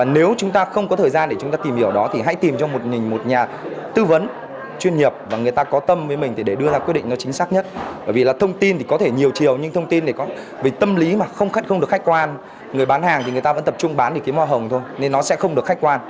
nếu không tìm hiểu thì người ta vẫn tập trung bán để kiếm hoa hồng thôi nên nó sẽ không được khách quan